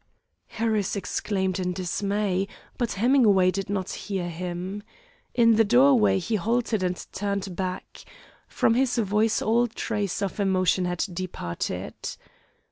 Harris exclaimed in dismay, but Hemingway did not hear him. In the doorway he halted and turned back. From his voice all trace of emotion had departed.